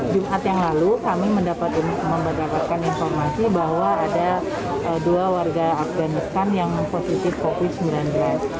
jumat yang lalu kami mendapatkan informasi bahwa ada dua warga afganistan yang positif covid sembilan belas